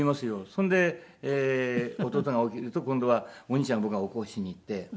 それで弟が起きると今度はお兄ちゃんを僕が起こしにいって。